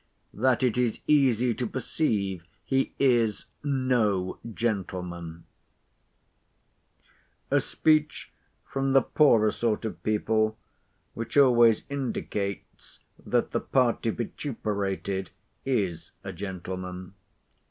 —THAT IT IS EASY TO PERCEIVE HE IS NO GENTLEMAN A speech from the poorer sort of people, which always indicates that the party vituperated is a gentleman.